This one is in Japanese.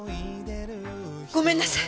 ごめんなさい！